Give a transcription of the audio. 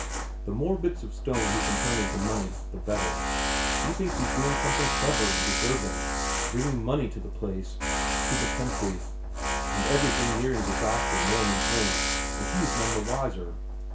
The more bits of stone he can turn into money, the better; he thinks he's doing something clever and deserving, bringing money to the place, to the country, and everything nearing disaster more and more, and he's none the wiser.